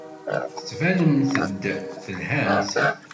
Tettbanemt-d telhamt.